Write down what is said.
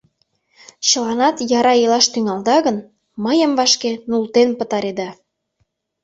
— Чыланат яра илаш тӱҥалыда гын, мыйым вашке нултен пытареда.